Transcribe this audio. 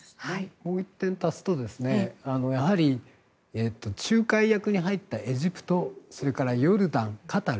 もう１点足すとやはり、仲介役に入ったエジプトそれからヨルダン、カタール